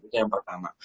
itu yang pertama